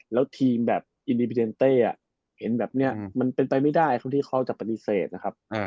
แล้วทีมแบบอินดีพิเดนเต้เห็นแบบนี้มันเป็นไปไม่ได้ครับที่เขาจะปฏิเสธนะครับ